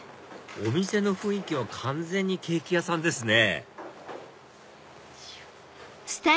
お店の雰囲気は完全にケーキ屋さんですね